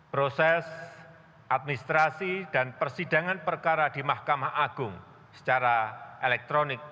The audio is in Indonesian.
proses administrasi dan persidangan perkara di mahkamah agung secara elektronik